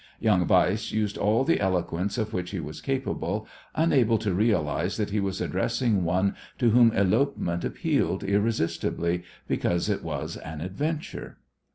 Young Weiss used all the eloquence of which he was capable, unable to realize that he was addressing one to whom elopement appealed irresistibly because it was an adventure.